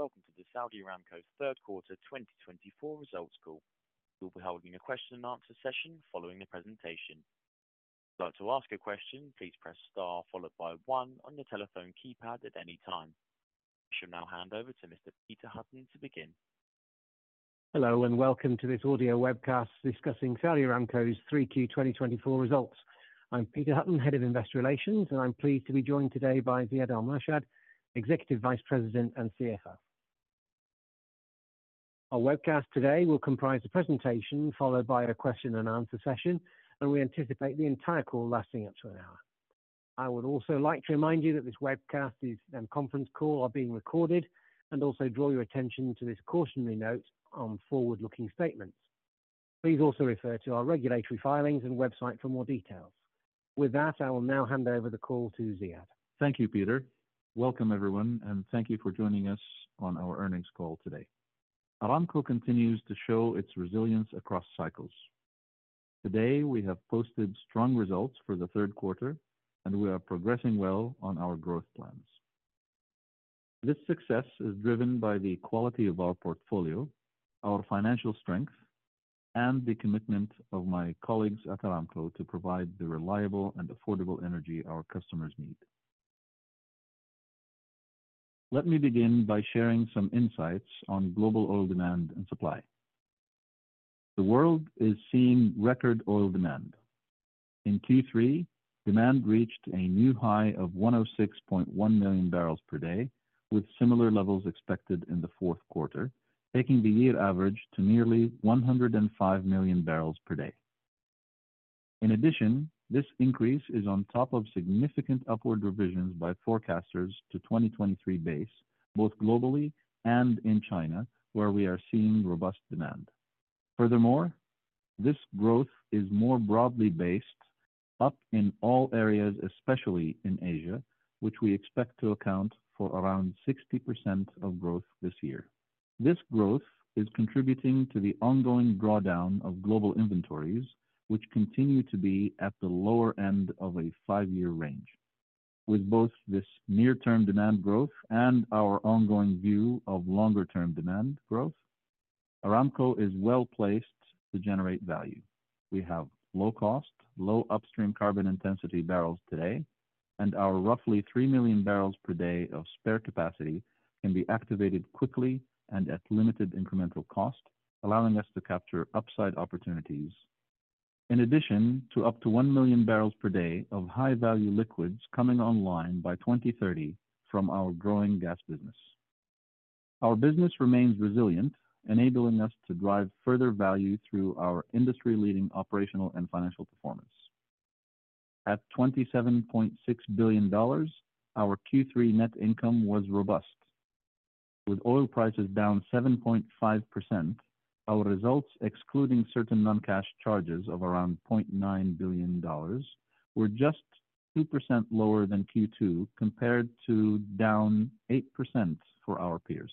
Welcome to the Saudi Aramco's third quarter 2024 results call. You'll be holding a question and answer session following the presentation. If you'd like to ask a question, please press star followed by one on your telephone keypad at any time. I shall now hand over to Mr. Peter Hutton to begin. Hello and welcome to this audio webcast discussing Saudi Aramco's 3Q 2024 results. I'm Peter Hutton, Head of Investor Relations, and I'm pleased to be joined today by Ziad Al-Murshed, Executive Vice President and CFO. Our webcast today will comprise a presentation followed by a question and answer session, and we anticipate the entire call lasting up to an hour. I would also like to remind you that this webcast and conference call are being recorded and also draw your attention to this cautionary note on forward-looking statements. Please also refer to our regulatory filings and website for more details. With that, I will now hand over the call to Ziad. Thank you, Peter. Welcome, everyone, and thank you for joining us on our earnings call today. Aramco continues to show its resilience across cycles. Today, we have posted strong results for the third quarter, and we are progressing well on our growth plans. This success is driven by the quality of our portfolio, our financial strength, and the commitment of my colleagues at Aramco to provide the reliable and affordable energy our customers need. Let me begin by sharing some insights on global oil demand and supply. The world is seeing record oil demand. In Q3, demand reached a new high of 106.1 million barrels per day, with similar levels expected in the fourth quarter, taking the year average to nearly 105 million barrels per day. In addition, this increase is on top of significant upward revisions by forecasters to 2023 base, both globally and in China, where we are seeing robust demand. Furthermore, this growth is more broadly based, up in all areas, especially in Asia, which we expect to account for around 60% of growth this year. This growth is contributing to the ongoing drawdown of global inventories, which continue to be at the lower end of a five-year range. With both this near-term demand growth and our ongoing view of longer-term demand growth, Aramco is well placed to generate value. We have low-cost, low-upstream carbon intensity barrels today, and our roughly three million barrels per day of spare capacity can be activated quickly and at limited incremental cost, allowing us to capture upside opportunities, in addition to up to one million barrels per day of high-value liquids coming online by 2030 from our growing gas business. Our business remains resilient, enabling us to drive further value through our industry-leading operational and financial performance. At $27.6 billion, our Q3 net income was robust. With oil prices down 7.5%, our results, excluding certain non-cash charges of around $0.9 billion, were just 2% lower than Q2 compared to down 8% for our peers.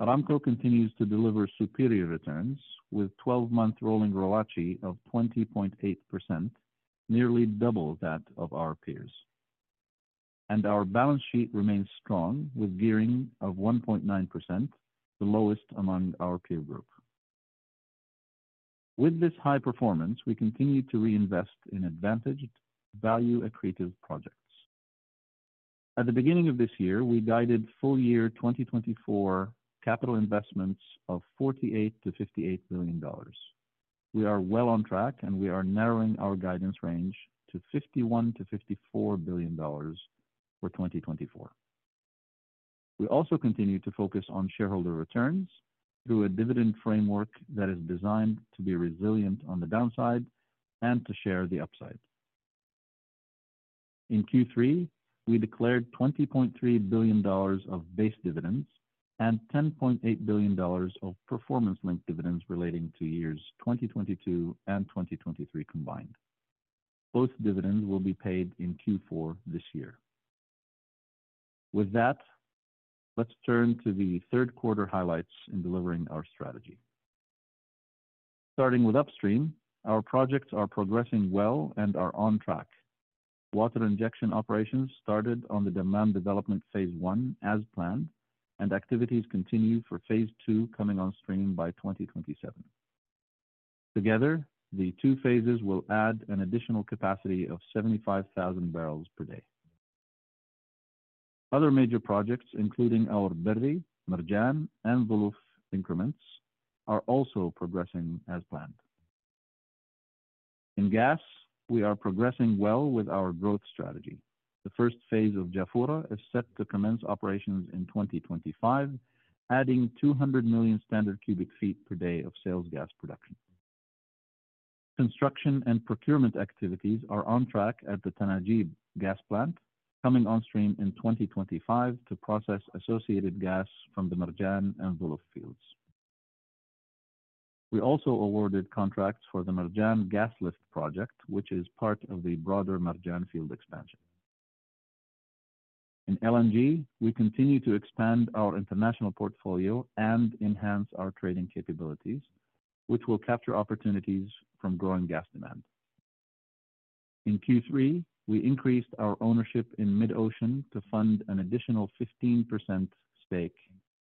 Aramco continues to deliver superior returns, with 12-month rolling ROACE of 20.8%, nearly double that of our peers. And our balance sheet remains strong, with gearing of 1.9%, the lowest among our peer group. With this high performance, we continue to reinvest in advantaged, value-accretive projects. At the beginning of this year, we guided full-year 2024 capital investments of $48-$58 billion. We are well on track, and we are narrowing our guidance range to $51-$54 billion for 2024. We also continue to focus on shareholder returns through a dividend framework that is designed to be resilient on the downside and to share the upside. In Q3, we declared $20.3 billion of base dividends and $10.8 billion of performance-linked dividends relating to years 2022 and 2023 combined. Both dividends will be paid in Q4 this year. With that, let's turn to the third quarter highlights in delivering our strategy. Starting with upstream, our projects are progressing well and are on track. Water injection operations started on the Dammam development phase one as planned, and activities continue for phase two coming on stream by 2027. Together, the two phases will add an additional capacity of 75,000 barrels per day. Other major projects, including our Berri, Marjan, and Zuluf increments, are also progressing as planned. In gas, we are progressing well with our growth strategy. The first phase of Jafurah is set to commence operations in 2025, adding 200 million standard cubic feet per day of sales gas production. Construction and procurement activities are on track at the Tanajib gas plant, coming on stream in 2025 to process associated gas from the Marjan and Zuluf fields. We also awarded contracts for the Marjan gas lift project, which is part of the broader Marjan field expansion. In LNG, we continue to expand our international portfolio and enhance our trading capabilities, which will capture opportunities from growing gas demand. In Q3, we increased our ownership in MidOcean to fund an additional 15% stake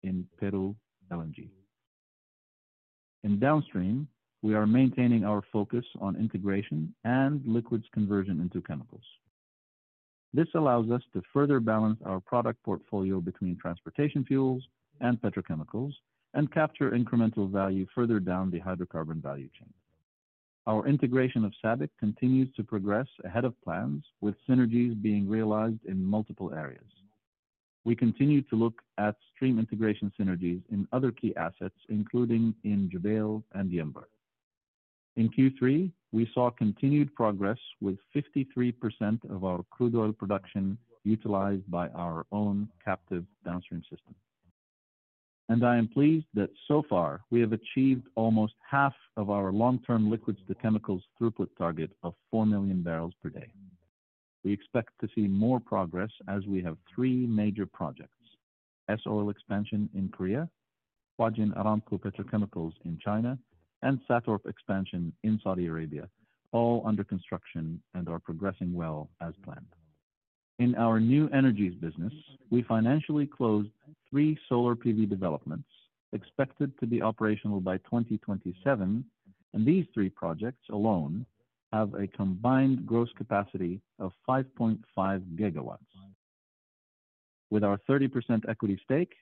in Peru LNG. In downstream, we are maintaining our focus on integration and liquids conversion into chemicals. This allows us to further balance our product portfolio between transportation fuels and petrochemicals and capture incremental value further down the hydrocarbon value chain. Our integration of SABIC continues to progress ahead of plans, with synergies being realized in multiple areas. We continue to look at stream integration synergies in other key assets, including in Jubail and Yanbu. In Q3, we saw continued progress with 53% of our crude oil production utilized by our own captive downstream system. I am pleased that so far we have achieved almost half of our long-term liquids-to-chemicals throughput target of 4 million barrels per day. We expect to see more progress as we have three major projects: S-Oil expansion in Korea, Huajin Aramco Petrochemicals in China, and SATORP expansion in Saudi Arabia, all under construction and are progressing well as planned. In our new energies business, we financially closed three solar PV developments expected to be operational by 2027, and these three projects alone have a combined gross capacity of 5.5 gigawatts. With our 30% equity stake,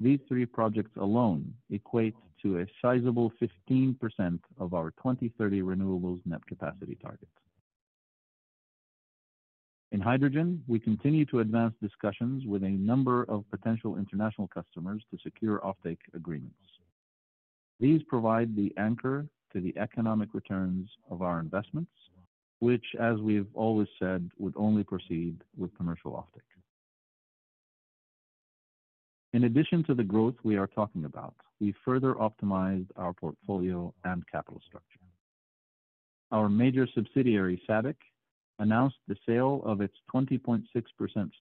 these three projects alone equate to a sizable 15% of our 2030 renewables net capacity target. In hydrogen, we continue to advance discussions with a number of potential international customers to secure offtake agreements. These provide the anchor to the economic returns of our investments, which, as we've always said, would only proceed with commercial offtake. In addition to the growth we are talking about, we further optimized our portfolio and capital structure. Our major subsidiary, SABIC, announced the sale of its 20.6%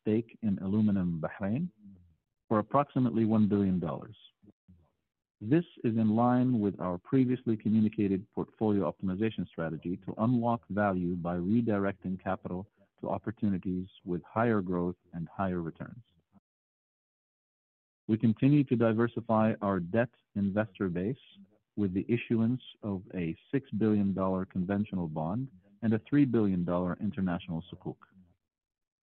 stake in Aluminium Bahrain for approximately $1 billion. This is in line with our previously communicated portfolio optimization strategy to unlock value by redirecting capital to opportunities with higher growth and higher returns. We continue to diversify our debt investor base with the issuance of a $6 billion conventional bond and a $3 billion international sukuk.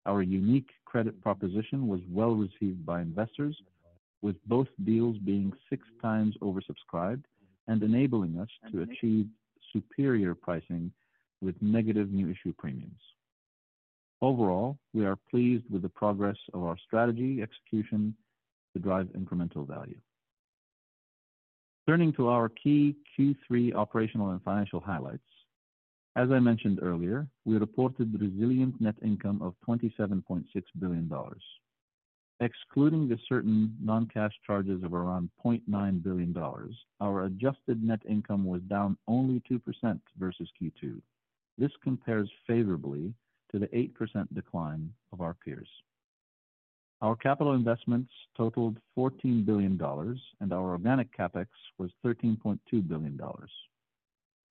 Our unique credit proposition was well received by investors, with both deals being six times oversubscribed and enabling us to achieve superior pricing with negative new issue premiums. Overall, we are pleased with the progress of our strategy execution to drive incremental value. Turning to our key Q3 operational and financial highlights, as I mentioned earlier, we reported resilient net income of $27.6 billion. Excluding the certain non-cash charges of around $0.9 billion, our adjusted net income was down only 2% versus Q2. This compares favorably to the 8% decline of our peers. Our capital investments totaled $14 billion, and our organic CapEx was $13.2 billion.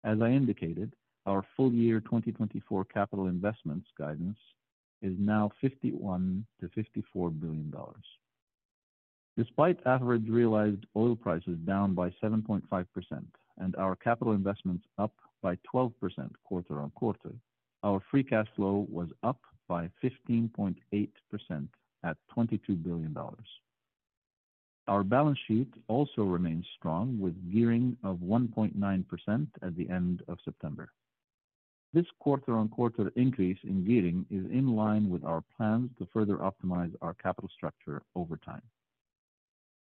As I indicated, our full-year 2024 capital investments guidance is now $51-$54 billion. Despite average realized oil prices down by 7.5% and our capital investments up by 12% quarter on quarter, our free cash flow was up by 15.8% at $22 billion. Our balance sheet also remains strong, with gearing of 1.9% at the end of September. This quarter-on-quarter increase in gearing is in line with our plans to further optimize our capital structure over time.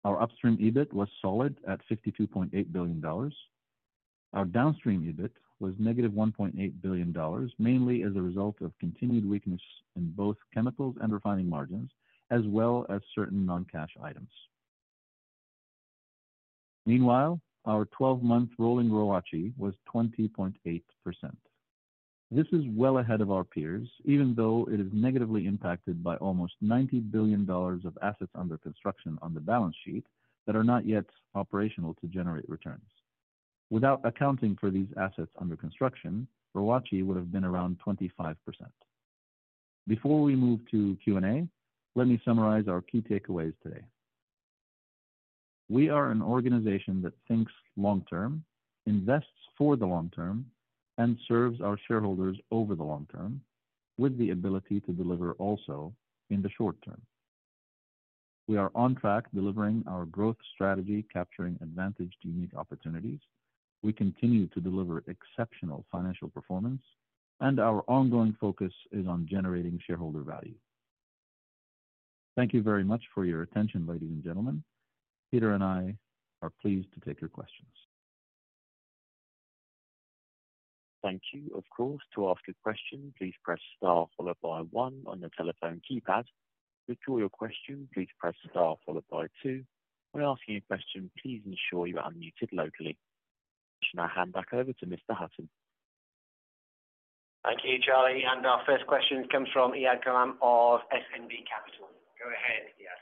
Our upstream EBIT was solid at $52.8 billion. Our downstream EBIT was negative $1.8 billion, mainly as a result of continued weakness in both chemicals and refining margins, as well as certain non-cash items. Meanwhile, our 12-month rolling ROACI was 20.8%. This is well ahead of our peers, even though it is negatively impacted by almost $90 billion of assets under construction on the balance sheet that are not yet operational to generate returns. Without accounting for these assets under construction, ROACI would have been around 25%. Before we move to Q&A, let me summarize our key takeaways today. We are an organization that thinks long-term, invests for the long-term, and serves our shareholders over the long term, with the ability to deliver also in the short term. We are on track delivering our growth strategy, capturing advantaged unique opportunities. We continue to deliver exceptional financial performance, and our ongoing focus is on generating shareholder value. Thank you very much for your attention, ladies and gentlemen. Peter and I are pleased to take your questions. Thank you. Of course, to ask a question, please press star followed by one on your telephone keypad. If you have a question, please press star followed by two. When asking a question, please ensure you are muted locally. I'll hand back over to Mr. Hutton. Thank you, Charlie. And our first question comes from Iyad Ghulam of SNB Capital. Go ahead, Iyad.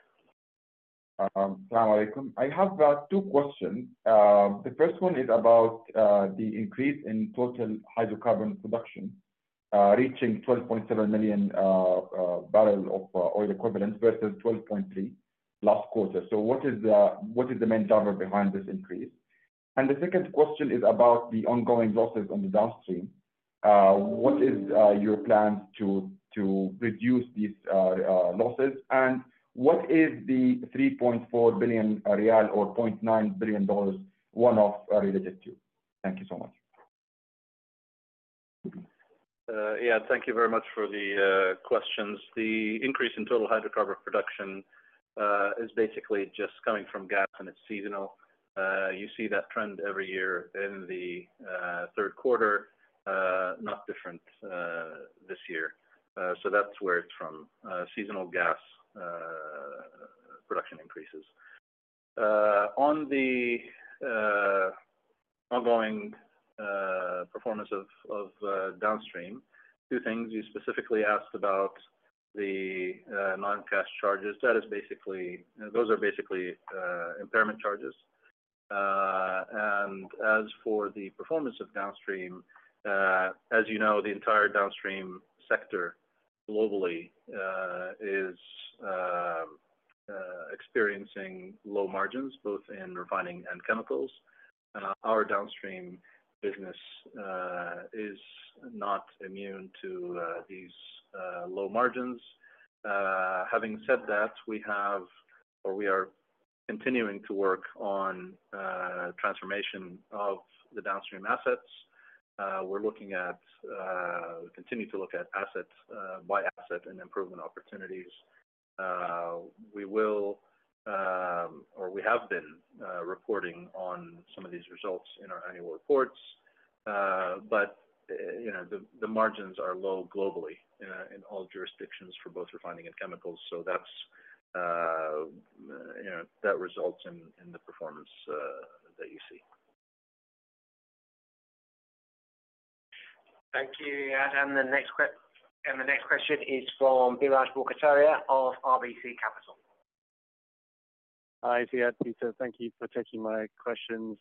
Alaikum. I have two questions. The first one is about the increase in total hydrocarbon production, reaching 12.7 million barrels of oil equivalent versus 12.3 last quarter. So what is the main driver behind this increase? And the second question is about the ongoing losses on the downstream. What is your plan to reduce these losses? And what is the SAR 3.4 billion or $0.9 billion one-off related to? Thank you so much. Iyad, thank you very much for the questions. The increase in total hydrocarbon production is basically just coming from gas, and it's seasonal. You see that trend every year in the third quarter, not different this year. So that's where it's from, seasonal gas production increases. On the ongoing performance of downstream, two things you specifically asked about: the non-cash charges. Those are basically impairment charges. And as for the performance of downstream, as you know, the entire downstream sector globally is experiencing low margins, both in refining and chemicals. Our downstream business is not immune to these low margins. Having said that, we have or we are continuing to work on transformation of the downstream assets. We're looking at continuing to look at asset by asset and improvement opportunities. We will, or we have been reporting on some of these results in our annual reports, but the margins are low globally in all jurisdictions for both refining and chemicals, so that results in the performance that you see. Thank you, Iyad. And the next question is from Biraj Borkhataria of RBC Capital. Hi, Iyad. Peter, thank you for taking my questions.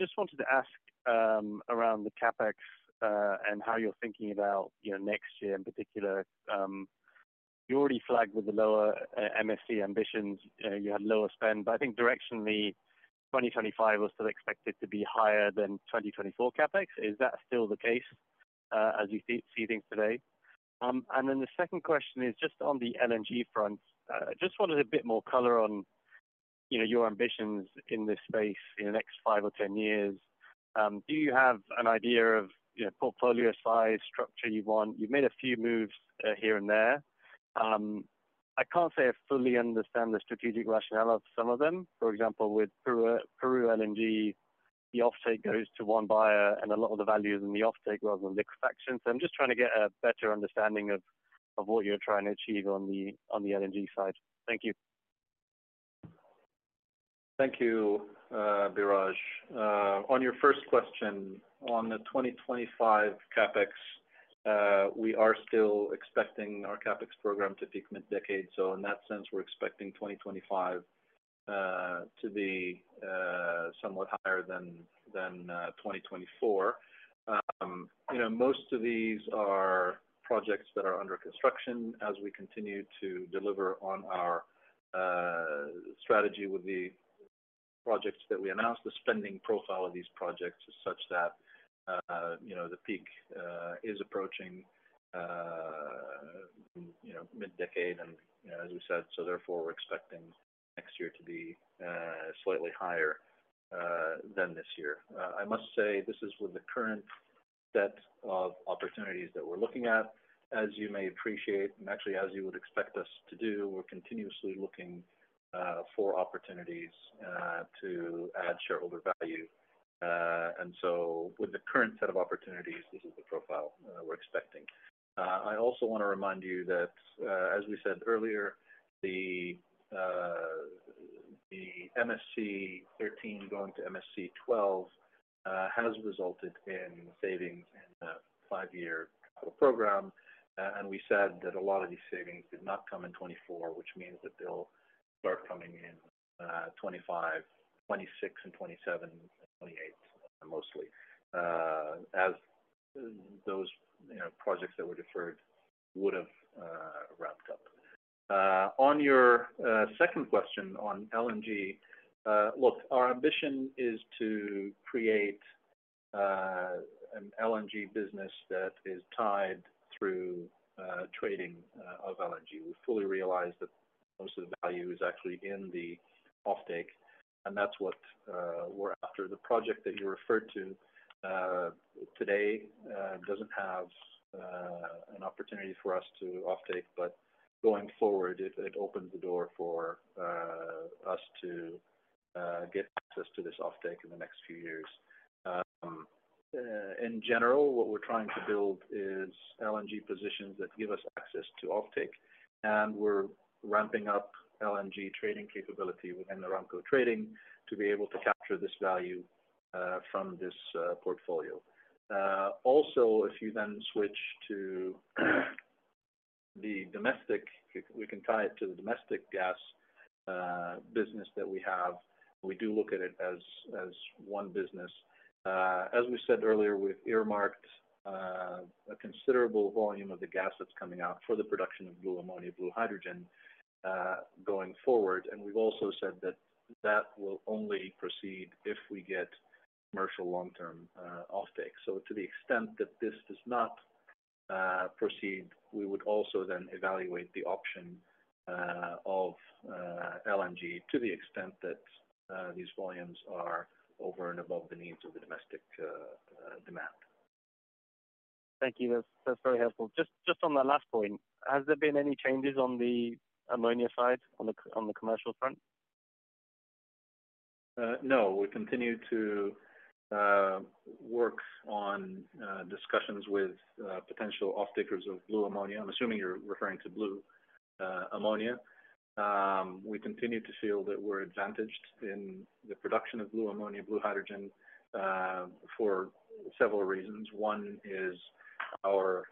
Just wanted to ask around the CapEx and how you're thinking about next year in particular. You already flagged with the lower MSC ambitions. You had lower spend, but I think directionally 2025 was still expected to be higher than 2024 CapEx. Is that still the case as you see things today? And then the second question is just on the LNG front. Just wanted a bit more color on your ambitions in this space in the next five or ten years. Do you have an idea of portfolio size, structure you want? You've made a few moves here and there. I can't say I fully understand the strategic rationale of some of them. For example, with Peru LNG, the offtake goes to one buyer, and a lot of the value is in the offtake rather than liquefaction. I'm just trying to get a better understanding of what you're trying to achieve on the LNG side. Thank you. Thank you, Biraj. On your first question, on the 2025 CapEx, we are still expecting our CapEx program to peak mid-decade. So in that sense, we're expecting 2025 to be somewhat higher than 2024. Most of these are projects that are under construction. As we continue to deliver on our strategy with the projects that we announced, the spending profile of these projects is such that the peak is approaching mid-decade, and as we said, so therefore we're expecting next year to be slightly higher than this year. I must say this is with the current set of opportunities that we're looking at. As you may appreciate, and actually as you would expect us to do, we're continuously looking for opportunities to add shareholder value. And so with the current set of opportunities, this is the profile we're expecting. I also want to remind you that, as we said earlier, the MSC 13 going to MSC 12 has resulted in savings in the five-year program, and we said that a lot of these savings did not come in 2024, which means that they'll start coming in 2025, 2026, and 2027, 2028 mostly, as those projects that were deferred would have wrapped up. On your second question on LNG, look, our ambition is to create an LNG business that is tied through trading of LNG. We fully realize that most of the value is actually in the offtake, and that's what we're after. The project that you referred to today doesn't have an opportunity for us to offtake, but going forward, it opens the door for us to get access to this offtake in the next few years. In general, what we're trying to build is LNG positions that give us access to offtake, and we're ramping up LNG trading capability within Aramco Trading to be able to capture this value from this portfolio. Also, if you then switch to the domestic, we can tie it to the domestic gas business that we have. We do look at it as one business. As we said earlier, we've earmarked a considerable volume of the gas that's coming out for the production of blue ammonia, blue hydrogen going forward. And we've also said that that will only proceed if we get commercial long-term offtake. So to the extent that this does not proceed, we would also then evaluate the option of LNG to the extent that these volumes are over and above the needs of the domestic demand. Thank you. That's very helpful. Just on the last point, has there been any changes on the ammonia side on the commercial front? No. We continue to work on discussions with potential offtakers of blue ammonia. I'm assuming you're referring to blue ammonia. We continue to feel that we're advantaged in the production of blue ammonia, blue hydrogen for several reasons. One is our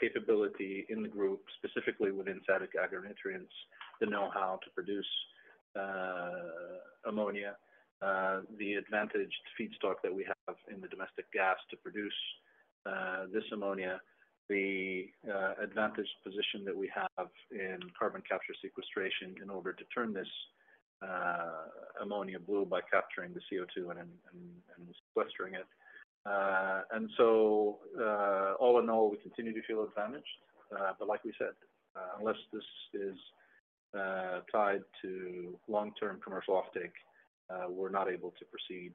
capability in the group, specifically within SABIC Agri-Nutrients, the know-how to produce ammonia, the advantaged feedstock that we have in the domestic gas to produce this ammonia, the advantaged position that we have in carbon capture sequestration in order to turn this ammonia blue by capturing the CO2 and sequestering it. And so all in all, we continue to feel advantaged. But like we said, unless this is tied to long-term commercial offtake, we're not able to proceed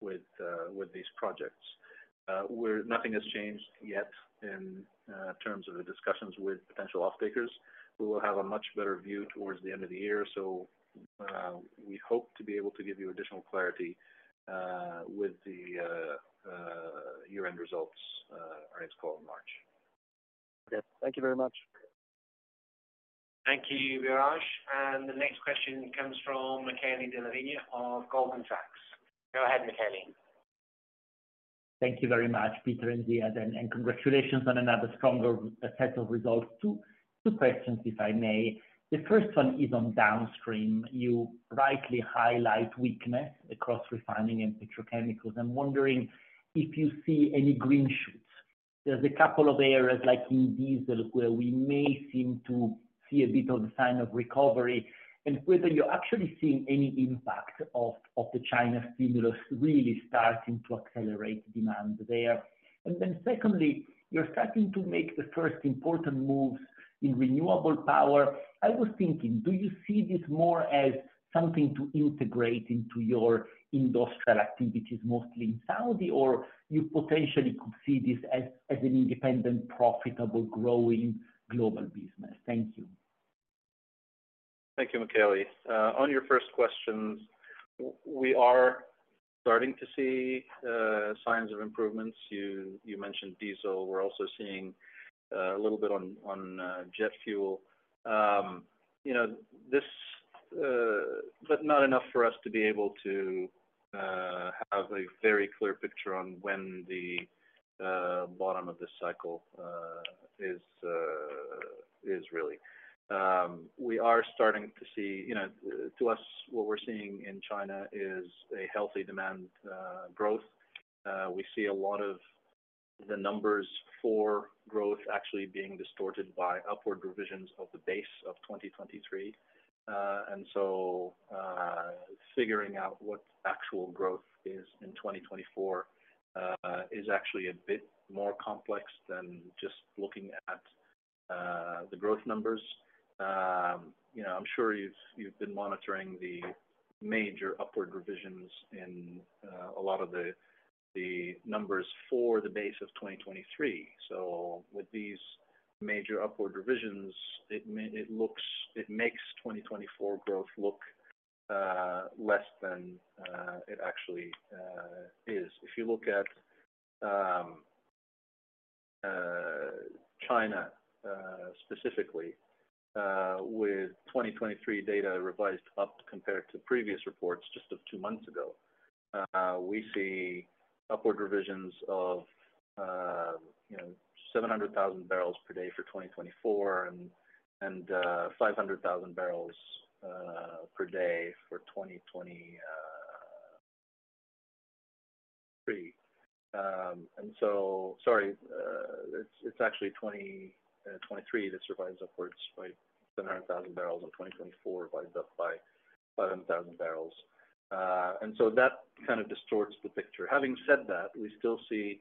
with these projects. Nothing has changed yet in terms of the discussions with potential offtakers. We will have a much better view towards the end of the year. So we hope to be able to give you additional clarity with the year-end results or earnings call in March. Okay. Thank you very much. Thank you, Biraj. And the next question comes from Michele della Vigna of Goldman Sachs. Go ahead, Michele. Thank you very much, Peter and Iyad. And congratulations on another stronger set of results. Two questions, if I may. The first one is on downstream. You rightly highlight weakness across refining and petrochemicals. I'm wondering if you see any green shoots. There's a couple of areas like in diesel where we may seem to see a bit of a sign of recovery. And whether you're actually seeing any impact of the China stimulus really starting to accelerate demand there. And then secondly, you're starting to make the first important moves in renewable power. I was thinking, do you see this more as something to integrate into your industrial activities mostly in Saudi, or you potentially could see this as an independent, profitable, growing global business? Thank you. Thank you, Michele. On your first questions, we are starting to see signs of improvements. You mentioned diesel. We're also seeing a little bit on jet fuel, but not enough for us to be able to have a very clear picture on when the bottom of this cycle is really. We are starting to see. To us, what we're seeing in China is a healthy demand growth. We see a lot of the numbers for growth actually being distorted by upward revisions of the base of 2023, and so figuring out what actual growth is in 2024 is actually a bit more complex than just looking at the growth numbers. I'm sure you've been monitoring the major upward revisions in a lot of the numbers for the base of 2023. So with these major upward revisions, it makes 2024 growth look less than it actually is. If you look at China specifically, with 2023 data revised up compared to previous reports just of two months ago, we see upward revisions of 700,000 barrels per day for 2024 and 500,000 barrels per day for 2023. And so, sorry, it's actually 2023 that revises upwards by 700,000 barrels and 2024 revises up by 500,000 barrels. And so that kind of distorts the picture. Having said that, we still see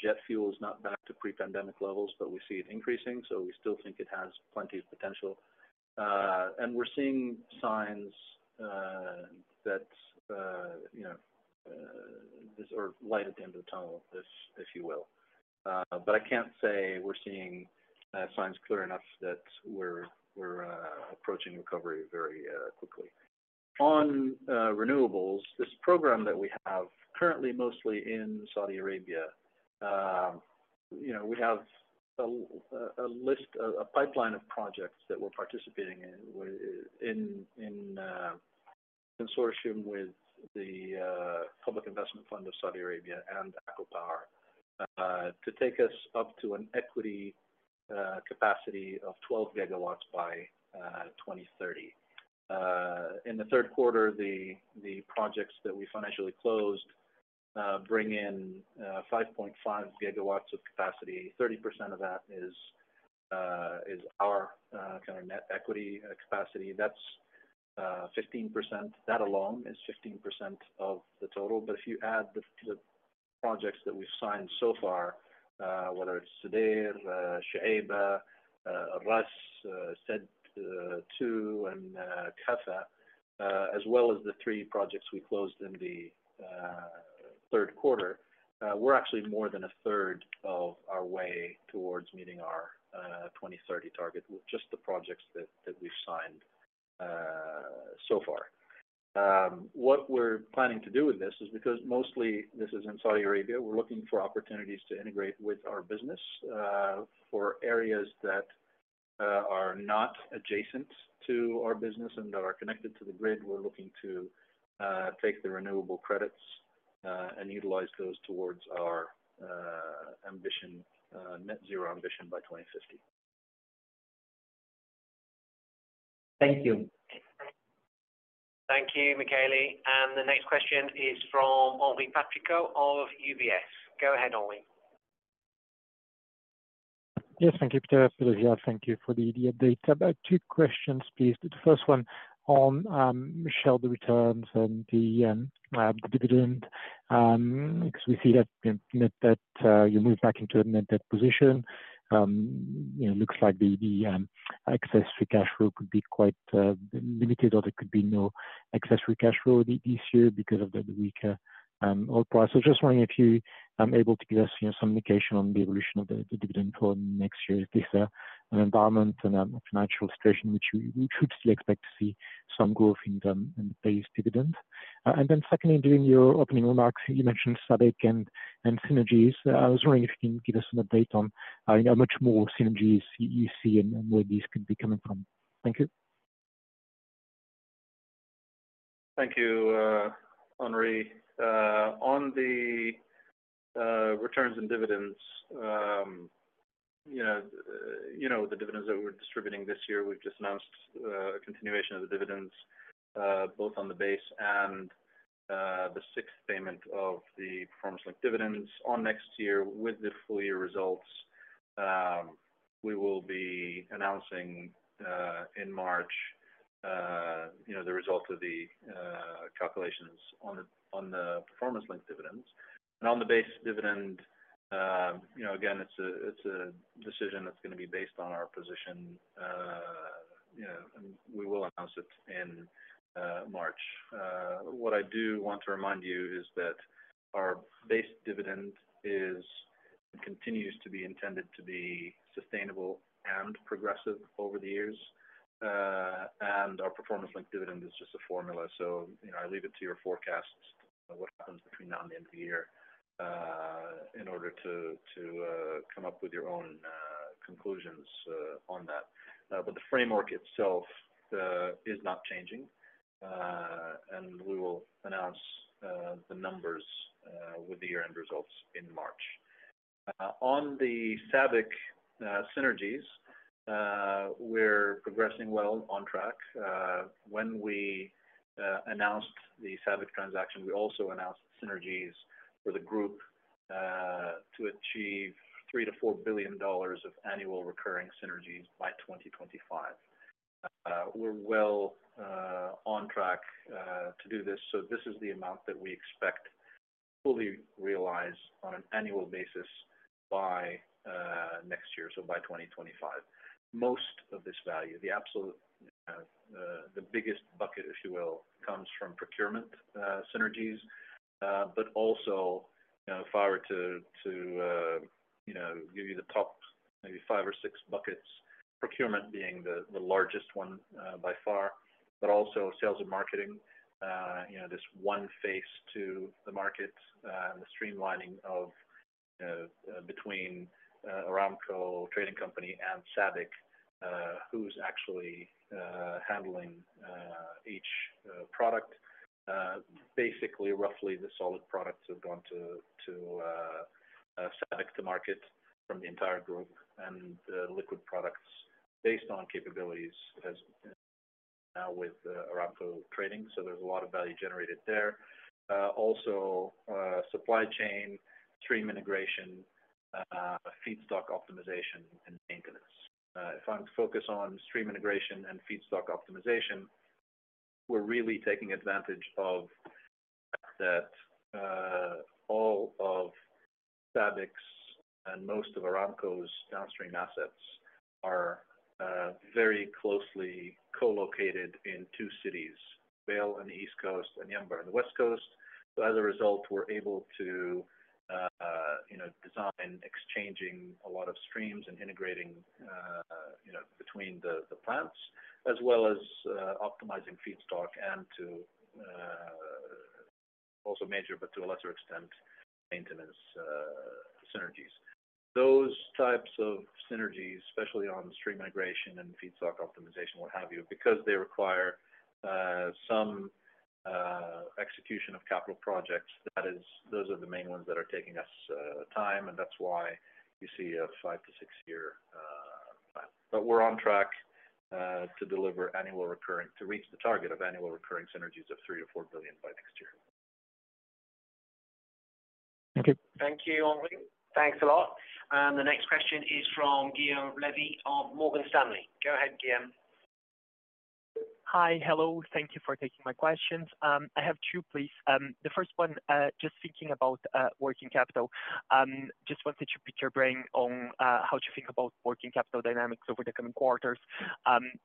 jet fuel is not back to pre-pandemic levels, but we see it increasing. So we still think it has plenty of potential. And we're seeing signs that are light at the end of the tunnel, if you will. But I can't say we're seeing signs clear enough that we're approaching recovery very quickly. On renewables, this program that we have currently mostly in Saudi Arabia, we have a pipeline of projects that we're participating in in consortium with the Public Investment Fund of Saudi Arabia and ACWA Power to take us up to an equity capacity of 12 gigawatts by 2030. In the third quarter, the projects that we financially closed bring in 5.5 gigawatts of capacity. 30% of that is our kind of net equity capacity. That's 15%. That alone is 15% of the total. But if you add the projects that we've signed so far, whether it's Sudair, Shuaibah, Ar Rass, Saad 2, and Kahfah, as well as the three projects we closed in the third quarter, we're actually more than a third of our way towards meeting our 2030 target with just the projects that we've signed so far. What we're planning to do with this is because mostly this is in Saudi Arabia. We're looking for opportunities to integrate with our business for areas that are not adjacent to our business and that are connected to the grid. We're looking to take the renewable credits and utilize those towards our net zero ambition by 2050. Thank you. Thank you, Michaeli. And the next question is from Henri Patricot of UBS. Go ahead, Ollie. Yes, thank you, Peter. Peter, thank you for the update. Two questions, please. The first one on metrics, the returns and the dividend, because we see that you moved back into a net debt position. It looks like the free cash flow could be quite limited, or there could be no free cash flow this year because of the weaker oil price. So just wondering if you're able to give us some indication on the evolution of the dividend for next year, if this is an environment and a financial situation in which we should still expect to see some growth in the base dividend. And then secondly, during your opening remarks, you mentioned SABIC and synergies. I was wondering if you can give us an update on how much more synergies you see and where these could be coming from. Thank you. Thank you, Henri. On the returns and dividends, the dividends that we're distributing this year, we've just announced a continuation of the dividends, both on the base and the sixth payment of the performance-linked dividends. On next year, with the full year results, we will be announcing in March the result of the calculations on the performance-linked dividends, and on the base dividend, again, it's a decision that's going to be based on our position, and we will announce it in March. What I do want to remind you is that our base dividend continues to be intended to be sustainable and progressive over the years, and our performance-linked dividend is just a formula, so I leave it to your forecasts what happens between now and the end of the year in order to come up with your own conclusions on that. But the framework itself is not changing, and we will announce the numbers with the year-end results in March. On the SABIC synergies, we're progressing well, on track. When we announced the SABIC transaction, we also announced synergies for the group to achieve $3-$4 billion of annual recurring synergies by 2025. We're well on track to do this. So this is the amount that we expect to fully realize on an annual basis by next year, so by 2025. Most of this value, the biggest bucket, if you will, comes from procurement synergies. But also, if I were to give you the top maybe five or six buckets, procurement being the largest one by far, but also sales and marketing, this one facing the market, the streamlining between Aramco Trading Company and SABIC, who's actually handling each product. Basically, roughly, the solid products have gone to SABIC to market from the entire group and liquid products based on capabilities as now with Aramco Trading. So there's a lot of value generated there. Also, supply chain, stream integration, feedstock optimization, and maintenance. If I'm to focus on stream integration and feedstock optimization, we're really taking advantage of the fact that all of SABIC's and most of Aramco's downstream assets are very closely co-located in two cities, Jubail on the East Coast and Yanbu on the West Coast. So as a result, we're able to design exchanging a lot of streams and integrating between the plants, as well as optimizing feedstock and to also major, but to a lesser extent, maintenance synergies. Those types of synergies, especially on stream migration and feedstock optimization, what have you, because they require some execution of capital projects, those are the main ones that are taking us time, and that's why you see a 5-6-year plan, but we're on track to deliver annual recurring to reach the target of annual recurring synergies of $3-4 billion by next year. Thank you. Thank you, Henri. Thanks a lot. And the next question is from Guillaume Levy of Morgan Stanley. Go ahead, Guillaume. Hi, hello. Thank you for taking my questions. I have two, please. The first one, just thinking about working capital. Just wanted to pick your brain on how to think about working capital dynamics over the coming quarters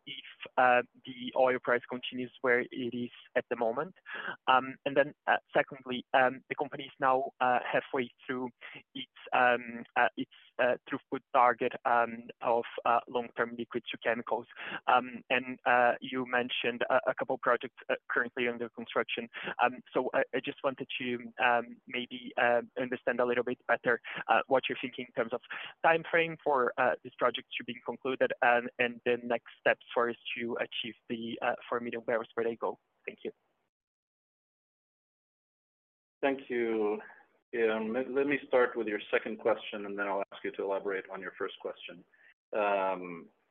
if the oil price continues where it is at the moment, and then secondly, the company is now halfway through its throughput target of long-term liquid to chemicals, and you mentioned a couple of projects currently under construction. So I just wanted to maybe understand a little bit better what you're thinking in terms of timeframe for this project to be concluded and the next steps for us to achieve the 4 million barrels per day goal. Thank you. Thank you, Guillaume. Let me start with your second question, and then I'll ask you to elaborate on your first question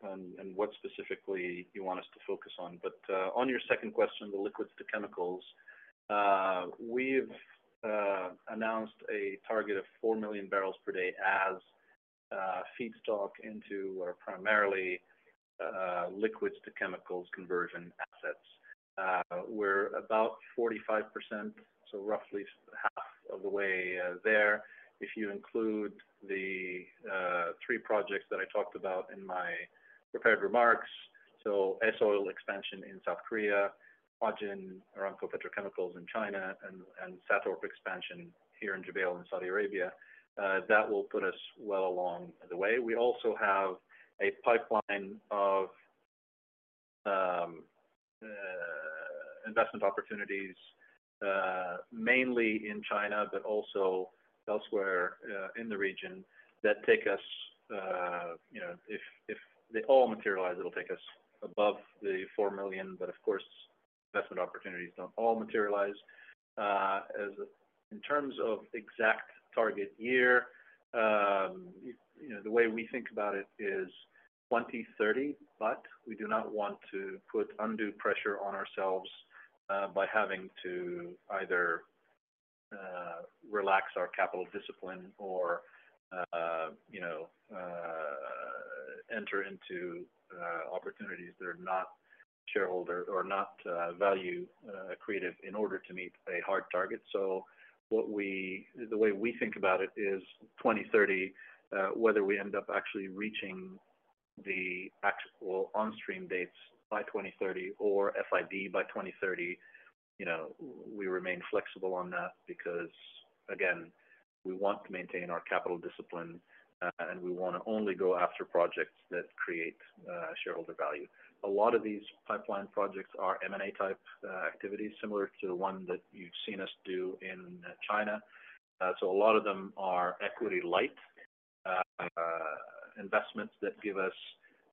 and what specifically you want us to focus on. But on your second question, the liquids to chemicals, we've announced a target of four million barrels per day as feedstock into our primarily liquids to chemicals conversion assets. We're about 45%, so roughly half of the way there. If you include the three projects that I talked about in my prepared remarks, so S-Oil expansion in South Korea, Huajin Aramco Petrochemicals in China, and SATORP expansion here in Jubail in Saudi Arabia, that will put us well along the way. We also have a pipeline of investment opportunities mainly in China, but also elsewhere in the region that take us if they all materialize, it'll take us above the four million. But of course, investment opportunities don't all materialize. In terms of exact target year, the way we think about it is 2030, but we do not want to put undue pressure on ourselves by having to either relax our capital discipline or enter into opportunities that are not shareholder or not value creative in order to meet a hard target. So the way we think about it is 2030, whether we end up actually reaching the actual on-stream dates by 2030 or FID by 2030, we remain flexible on that because, again, we want to maintain our capital discipline, and we want to only go after projects that create shareholder value. A lot of these pipeline projects are M&A type activities, similar to the one that you've seen us do in China. So a lot of them are equity-light investments that give us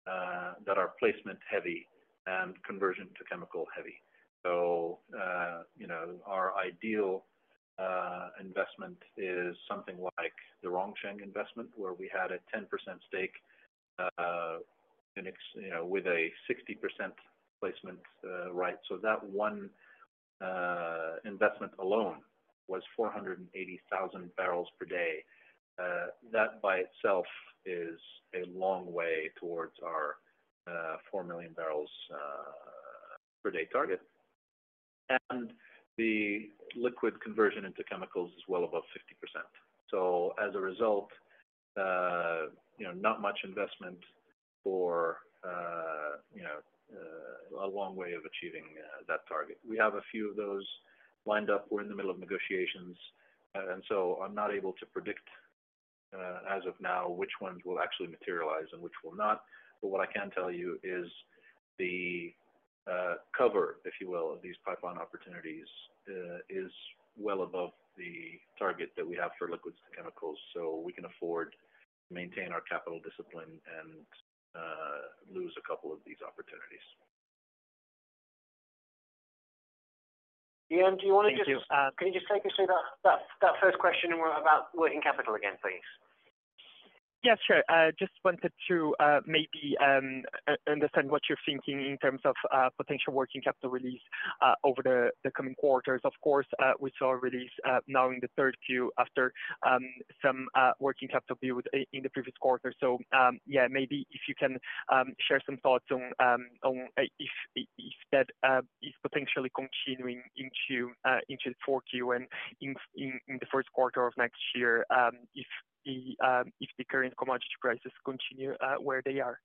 that are placement-heavy and conversion-to-chemical-heavy. Our ideal investment is something like the Rongsheng investment, where we had a 10% stake with a 60% placement right. That one investment alone was 480,000 barrels per day. That by itself is a long way towards our four million barrels per day target. The liquid conversion into chemicals is well above 50%. As a result, not much investment for a long way of achieving that target. We have a few of those lined up. We're in the middle of negotiations. I'm not able to predict as of now which ones will actually materialize and which will not. What I can tell you is the cover, if you will, of these pipeline opportunities is well above the target that we have for liquids to chemicals. We can afford to maintain our capital discipline and lose a couple of these opportunities. Guillaume, can you just take us through that first question about working capital again, please? Yes, sure. Just wanted to maybe understand what you're thinking in terms of potential working capital release over the coming quarters. Of course, we saw a release now in the third Q after some working capital build in the previous quarter. So yeah, maybe if you can share some thoughts on if that is potentially continuing into the fourth Q and in the first quarter of next year if the current commodity prices continue where they are?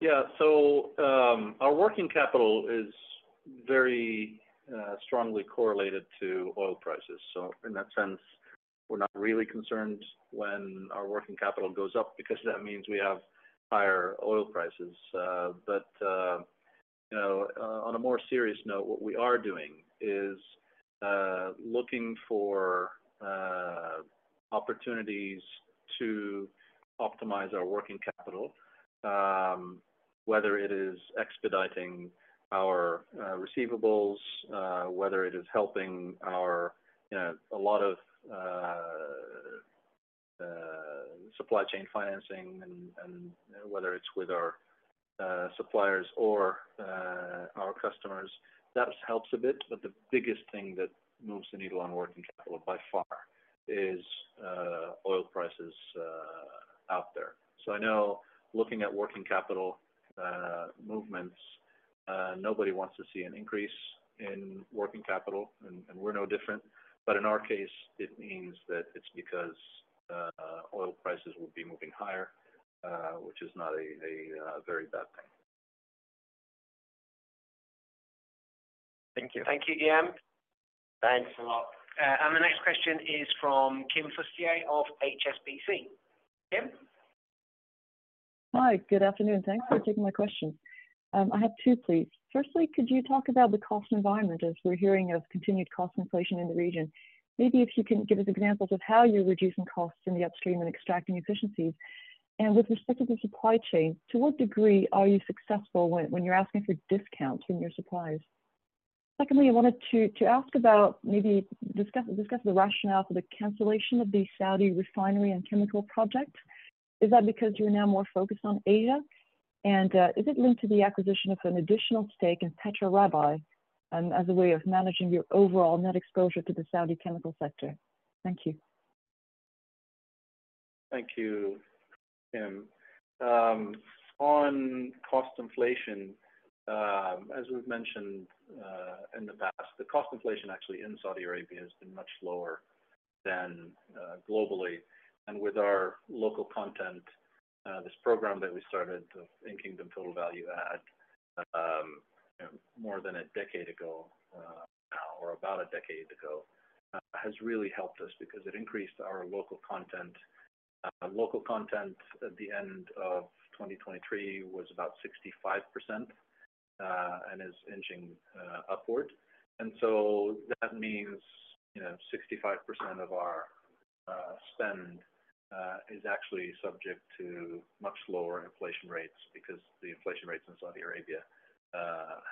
Yeah. So our working capital is very strongly correlated to oil prices. So in that sense, we're not really concerned when our working capital goes up because that means we have higher oil prices. But on a more serious note, what we are doing is looking for opportunities to optimize our working capital, whether it is expediting our receivables, whether it is helping a lot of supply chain financing, and whether it's with our suppliers or our customers. That helps a bit. But the biggest thing that moves the needle on working capital by far is oil prices out there. So I know looking at working capital movements, nobody wants to see an increase in working capital, and we're no different. But in our case, it means that it's because oil prices will be moving higher, which is not a very bad thing. Thank you. Thank you, Guillaume. Thanks a lot. And the next question is from Kim Fustier of HSBC. Kim? Hi, good afternoon. Thanks for taking my question. I have two, please. Firstly, could you talk about the cost environment as we're hearing of continued cost inflation in the region? Maybe if you can give us examples of how you're reducing costs in the upstream and extracting efficiencies. And with respect to the supply chain, to what degree are you successful when you're asking for discounts in your supplies? Secondly, I wanted to ask about maybe discuss the rationale for the cancellation of the Saudi refinery and chemical project. Is that because you're now more focused on Asia? And is it linked to the acquisition of an additional stake in Petro Rabigh as a way of managing your overall net exposure to the Saudi chemical sector? Thank you. Thank you, Kim. On cost inflation, as we've mentioned in the past, the cost inflation actually in Saudi Arabia has been much lower than globally, and with our local content, this program that we started In-Kingdom Total Value Add more than a decade ago now or about a decade ago has really helped us because it increased our local content. Local content at the end of 2023 was about 65% and is inching upward, and so that means 65% of our spend is actually subject to much lower inflation rates because the inflation rates in Saudi Arabia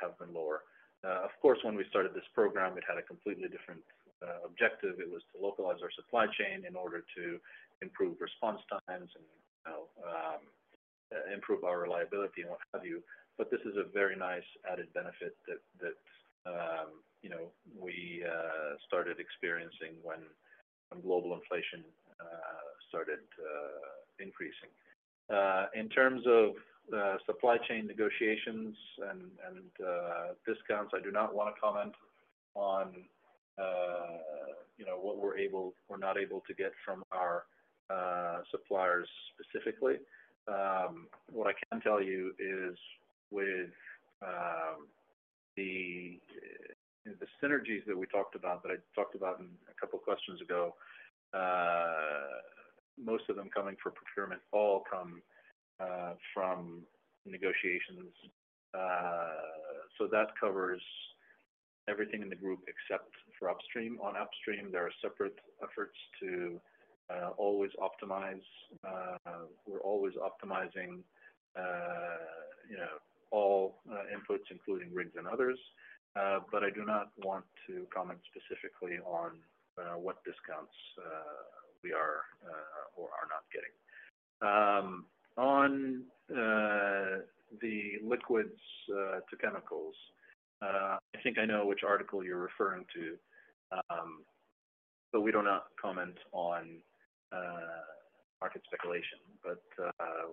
have been lower. Of course, when we started this program, it had a completely different objective. It was to localize our supply chain in order to improve response times and improve our reliability and what have you. But this is a very nice added benefit that we started experiencing when global inflation started increasing. In terms of supply chain negotiations and discounts, I do not want to comment on what we're able or not able to get from our suppliers specifically. What I can tell you is with the synergies that we talked about that I talked about in a couple of questions ago, most of them coming from procurement all come from negotiations. So that covers everything in the group except for upstream. On upstream, there are separate efforts to always optimize. We're always optimizing all inputs, including rigs and others. But I do not want to comment specifically on what discounts we are or are not getting. On the liquids to chemicals, I think I know which article you're referring to, but we do not comment on market speculation. But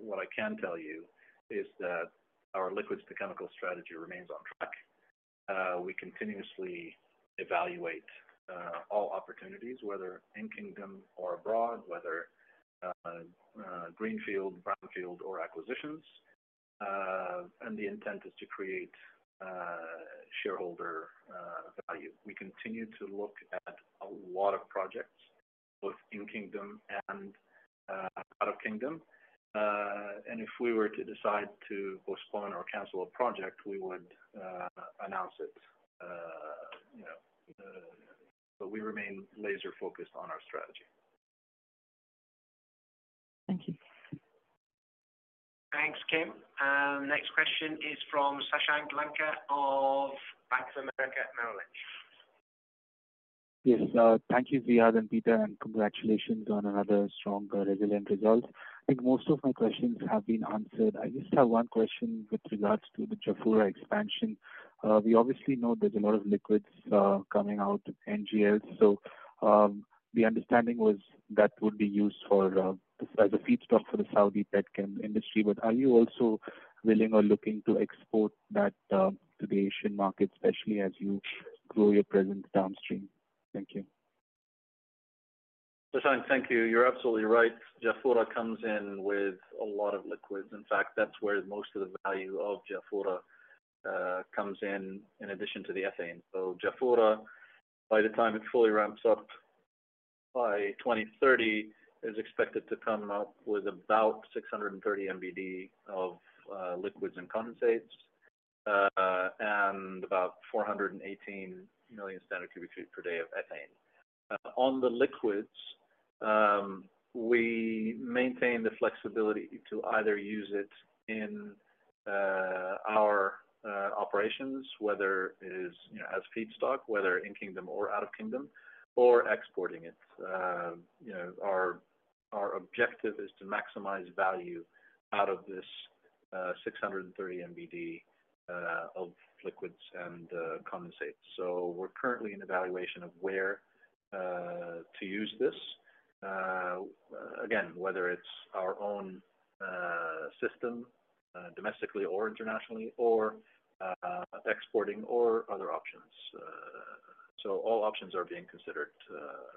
what I can tell you is that our liquids to chemical strategy remains on track. We continuously evaluate all opportunities, whether in Kingdom or abroad, whether greenfield, brownfield, or acquisitions. And the intent is to create shareholder value. We continue to look at a lot of projects both in Kingdom and out of Kingdom. And if we were to decide to postpone or cancel a project, we would announce it. But we remain laser-focused on our strategy. Thank you. Thanks, Kim. Next question is from Sashank Lanka of Bank of America Merrill Lynch. Yes. Thank you, Ziad and Peter, and congratulations on another strong, resilient result. I think most of my questions have been answered. I just have one question with regards to the Jafurah expansion. We obviously know there's a lot of liquids coming out, NGLs. So the understanding was that would be used as a feedstock for the Saudi pet chem industry. But are you also willing or looking to export that to the Asian market, especially as you grow your presence downstream? Thank you. Sashank, thank you. You're absolutely right. Jafurah comes in with a lot of liquids. In fact, that's where most of the value of Jafurah comes in in addition to the ethane. So Jafurah, by the time it fully ramps up by 2030, is expected to come up with about 630 MBD of liquids and condensates and about 418 million standard cubic feet per day of ethane. On the liquids, we maintain the flexibility to either use it in our operations, whether as feedstock, whether in Kingdom or out of Kingdom, or exporting it. Our objective is to maximize value out of this 630 MBD of liquids and condensates. So we're currently in evaluation of where to use this. Again, whether it's our own system domestically or internationally or exporting or other options. So all options are being considered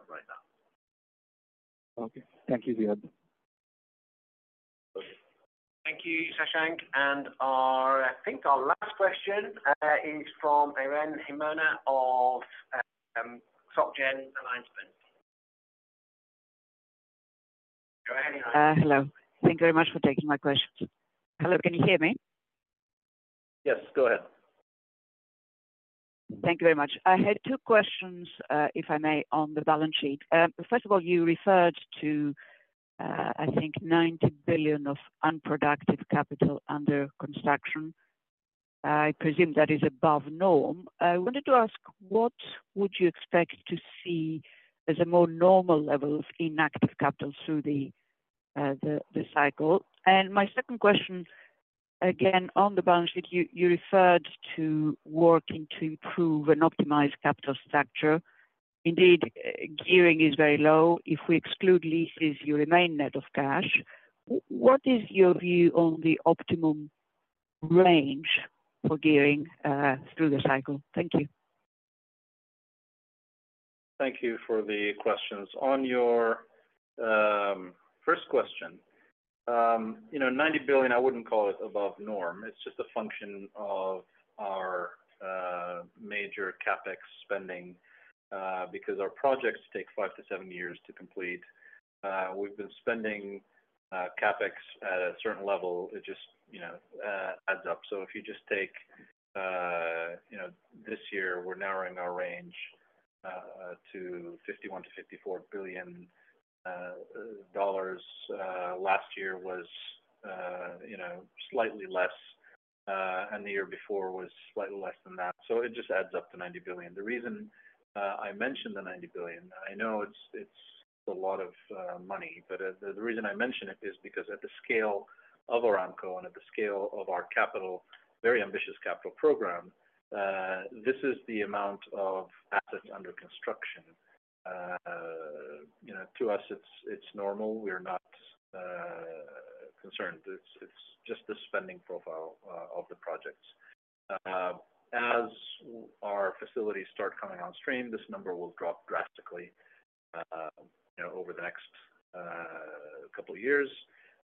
right now. Okay. Thank you, Ziad. Thank you, Sashank. And I think our last question is from Irene Himona of Societe Generale. Go ahead, Irene. Hello. Thank you very much for taking my questions. Hello, can you hear me? Yes, go ahead. Thank you very much. I had two questions, if I may, on the balance sheet. First of all, you referred to, I think, $90 billion of unproductive capital under construction. I presume that is above norm. I wanted to ask, what would you expect to see as a more normal level of inactive capital through the cycle? And my second question, again, on the balance sheet, you referred to working to improve and optimize capital structure. Indeed, gearing is very low. If we exclude leases, you remain net of cash. What is your view on the optimum range for gearing through the cycle? Thank you. Thank you for the questions. On your first question, $90 billion, I wouldn't call it above norm. It's just a function of our major CapEx spending because our projects take five to seven years to complete. We've been spending CapEx at a certain level. It just adds up, so if you just take this year, we're narrowing our range to $51-$54 billion. Last year was slightly less, and the year before was slightly less than that, so it just adds up to $90 billion. The reason I mentioned the $90 billion, I know it's a lot of money, but the reason I mention it is because at the scale of Aramco and at the scale of our capital, very ambitious capital program, this is the amount of assets under construction. To us, it's normal. We're not concerned. It's just the spending profile of the projects. As our facilities start coming on stream, this number will drop drastically over the next couple of years,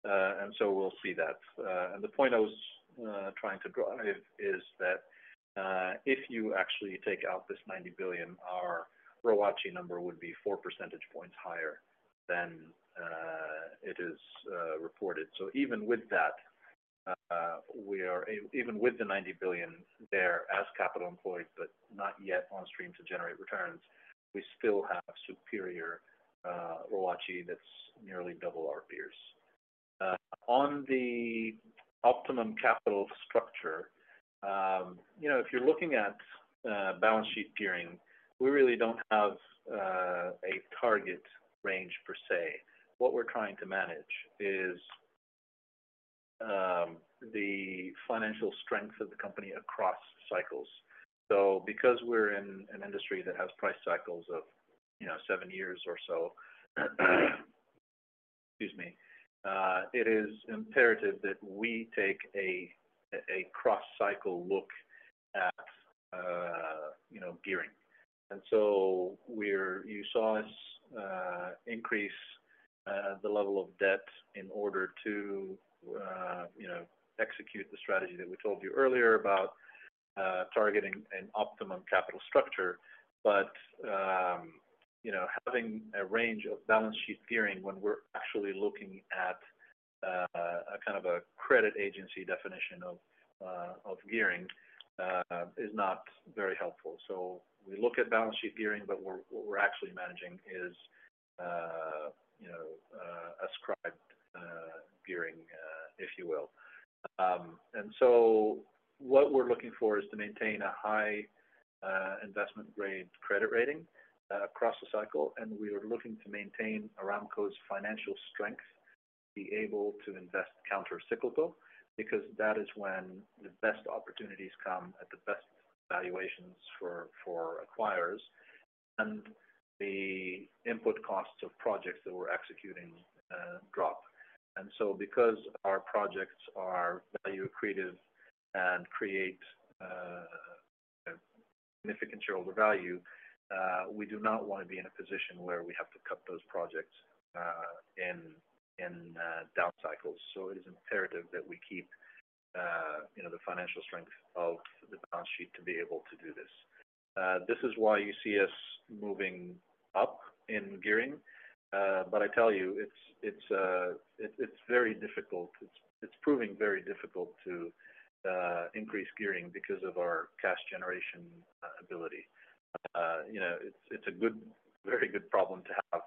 and so we'll see that. And the point I was trying to drive is that if you actually take out this $90 billion, our ROACE number would be four percentage points higher than it is reported. So even with that, we are even with the $90 billion there as capital employed, but not yet on stream to generate returns, we still have superior ROACE that's nearly double our peers. On the optimum capital structure, if you're looking at balance sheet gearing, we really don't have a target range per se. What we're trying to manage is the financial strength of the company across cycles. So because we're in an industry that has price cycles of seven years or so, excuse me, it is imperative that we take a cross-cycle look at gearing. And so you saw us increase the level of debt in order to execute the strategy that we told you earlier about targeting an optimum capital structure. But having a range of balance sheet gearing when we're actually looking at a kind of a credit agency definition of gearing is not very helpful. So we look at balance sheet gearing, but what we're actually managing is ascribed gearing, if you will. And so what we're looking for is to maintain a high investment-grade credit rating across the cycle. And we are looking to maintain Aramco's financial strength to be able to invest countercyclical because that is when the best opportunities come at the best valuations for acquirers, and the input costs of projects that we're executing drop. And so because our projects are value accretive and create significant shareholder value, we do not want to be in a position where we have to cut those projects in down cycles. So it is imperative that we keep the financial strength of the balance sheet to be able to do this. This is why you see us moving up in gearing. But I tell you, it's very difficult. It's proving very difficult to increase gearing because of our cash generation ability. It's a very good problem to have,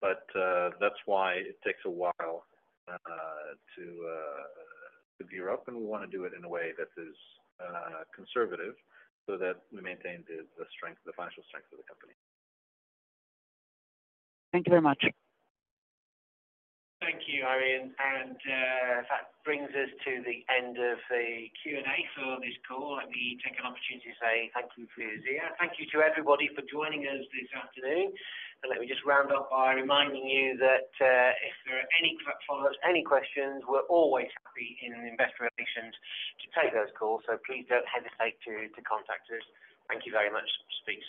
but that's why it takes a while to gear up. And we want to do it in a way that is conservative so that we maintain the strength, the financial strength of the company. Thank you very much. Thank you, Irene. And that brings us to the end of the Q&A for this call. Let me take an opportunity to say thank you to Ziad. Thank you to everybody for joining us this afternoon. And let me just round up by reminding you that if there are any follow-ups, any questions, we're always happy in investor relations to take those calls. So please don't hesitate to contact us. Thank you very much. Speak soon.